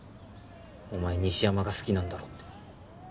お前西山が好きなんだろって。